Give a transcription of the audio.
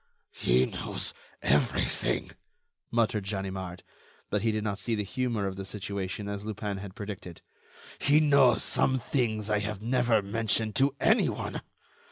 "He knows everything," muttered Ganimard, but he did not see the humor of the situation as Lupin had predicted. "He knows some things I have never mentioned to any one.